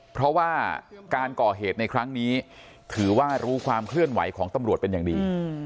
เพราะว่าการก่อเหตุในครั้งนี้ถือว่ารู้ความเคลื่อนไหวของตำรวจเป็นอย่างดี